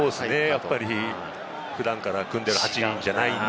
やっぱり普段から組んでいる８人じゃない。